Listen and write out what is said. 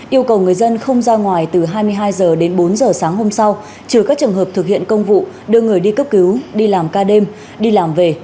yêu cầu người dân không ra ngoài từ hai mươi hai h đến bốn h sáng hôm sau trừ các trường hợp thực hiện công vụ đưa người đi cấp cứu đi làm ca đêm đi làm về